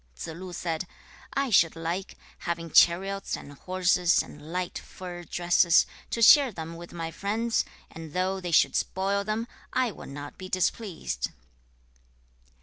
2. Tsze lu said, 'I should like, having chariots and horses, and light fur dresses, to share them with my friends, and though they should spoil them, I would not be displeased.'